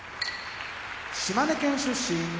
島根県出身